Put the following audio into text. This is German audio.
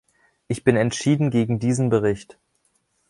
Ich bin entschieden gegen diesen Bericht.